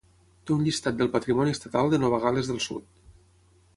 Té un llistat del patrimoni estatal de Nova Gal·les del Sud.